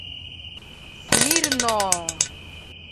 — Смирно-о-о!